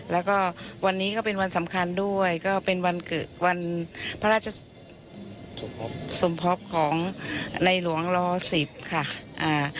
แล้วก็วันนี้ก็เป็นวันสำคัญด้วยก็เป็นวันเกิดวันพระราชสมภพสมภพของในหลวงรอสิบค่ะอ่า